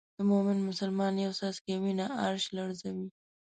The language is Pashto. د مومن مسلمان یو څاڅکی وینه عرش لړزوي.